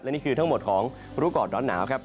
นี่คือทั้งหมดของรู้ก่อนร้อนหนาวครับ